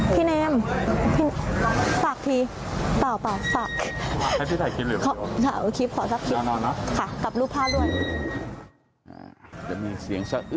พี่เนมฝากสิ